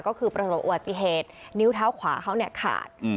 ก็คือประสบวนอวดปีเทศนิ้วเท้าขวาเขาเนี่ยขาด